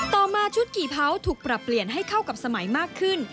ต่อมาชุดกี่เผาถูกปรับเปลี่ยนให้เข้ากับสมัยมากขึ้น